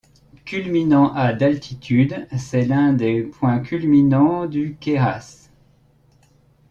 Culminant à d'altitude, c'est l'un des points culminants du Queyras.